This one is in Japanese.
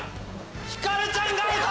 ひかるちゃんがアウト！